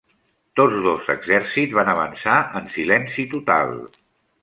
Tots dos exèrcits van avançar en silenci total.